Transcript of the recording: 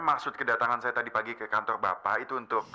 maksud kedatangan saya tadi pagi ke kantor bapak itu untuk